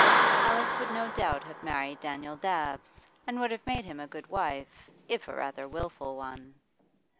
Alice would no doubt have married Daniel Dabbs, and would have made him a good wife, if a rather wilful one.